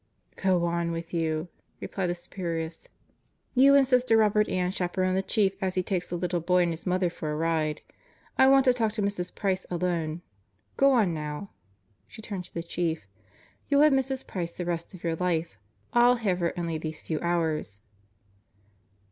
"Go on with you," replied the Superioress, "You and Sister Robert Ann chaperon the Chief as' he takes the little boy and his mother for a ride. I want to talk to Mrs. Price alone. Go on now." She turned to the Chief. "You'll have Mrs. Price the rest of your life, I'll have her only these few hours."